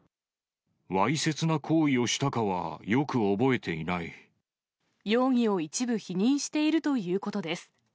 わいせつな行為をしたかはよ容疑を一部否認しているということです。